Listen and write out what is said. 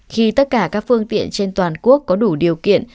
khi tất cả các phương tiện trên toàn quốc có đủ điều kiện